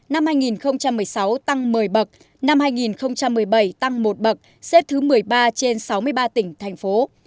năm hai nghìn một mươi sáu tăng một mươi bậc năm hai nghìn một mươi bảy tăng một bậc xếp thứ một mươi ba trên sáu mươi ba tỉnh thành phố